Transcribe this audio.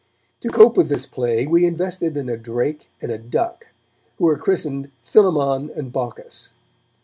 To cope with this plague we invested in a drake and a duck, who were christened Philemon and Baucis.